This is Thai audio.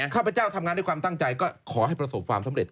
ข้าพเจ้าทำงานด้วยความตั้งใจก็ขอให้ประสบความสำเร็จ